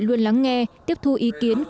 luôn lắng nghe tiếp thu ý kiến